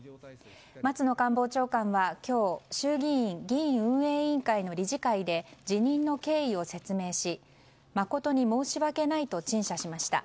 松野官房長官は今日衆議院議院運営委員会の理事会で辞任の経緯を説明し誠に申し訳ないと陳謝しました。